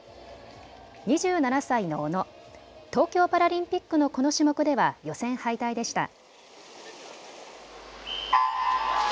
２７歳の小野、東京パラリンピックのこの種目では予選敗退でした。